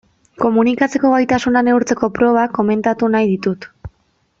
Komunikatzeko gaitasuna neurtzeko proba komentatu nahi ditut.